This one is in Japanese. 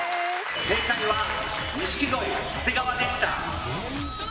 正解は錦鯉長谷川でした。